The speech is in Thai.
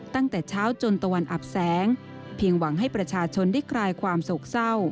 ตั้งแต่เช้าจนตะวันอับแสงเพียงหวังให้ประชาชนได้คลายความโศกเศร้า